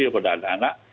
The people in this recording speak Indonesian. ya pada anak anak